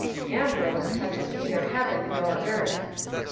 Ambrose touches neither heaven nor earth.